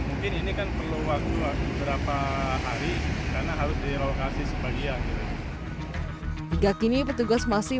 mungkin ini kan perlu waktu berapa hari karena harus direlokasi sebagian hingga kini petugas masih